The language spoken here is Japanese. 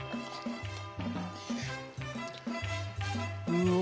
うわ！